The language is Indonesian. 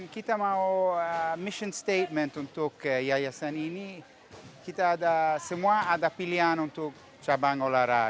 kita mau mission statement untuk yayasan ini kita ada semua ada pilihan untuk cabang olahraga